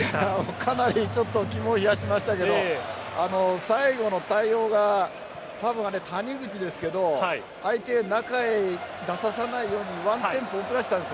かなり肝を冷やしましたが最後の対応が多分、谷口ですが相手、中へ出させないようにワンテンポ遅らせたんです。